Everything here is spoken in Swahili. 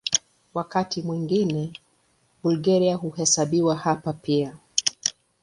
Wakati mwingine Bulgaria huhesabiwa hapa pia.